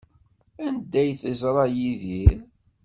Anda ay teẓra Yidir?